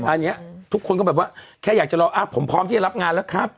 อันนี้ทุกคนก็แบบว่าแค่อยากจะรอผมพร้อมที่จะรับงานแล้วครับ